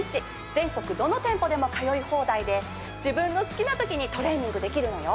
全国どの店舗でも通い放題で自分の好きな時にトレーニングできるのよ。